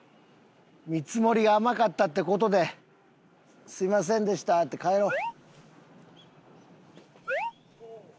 見積もりが甘かったって事で「すいませんでした」って帰ろう。